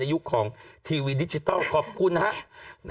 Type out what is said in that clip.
อายุของทีวีดิจิทัลขอบคุณนะครับ